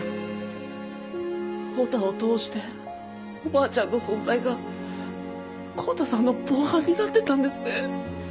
オタを通しておばあちゃんの存在が康太さんの防犯になってたんですね。